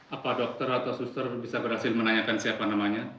apa dokter atau suster bisa berhasil menanyakan siapa namanya